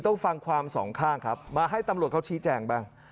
ต้องฟังความสองข้างครับมาให้ตำรวจเขาชี้แจงบ้าง